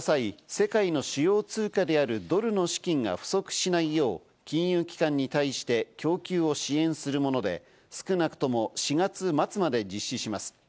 市場が混乱した際、世界の主要通貨であるドルの資金が不足しないよう、金融機関に対して供給を支援するもので、少なくとも４月末まで実施します。